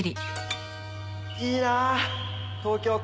いいな東京か。